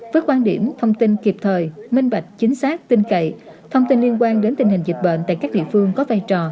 với quan điểm thông tin kịp thời minh bạch chính xác tinh cậy thông tin liên quan đến tình hình dịch bệnh tại các địa phương có vai trò